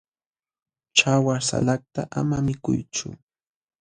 ćhawa salakta ama mikuychu.